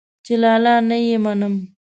چې لالا نه يې منم.